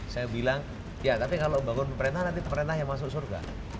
saya bilang ya tapi kalau bangun pemerintah nanti pemerintah yang masuk surga